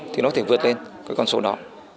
thì nó có thể vượt lên cái con số đó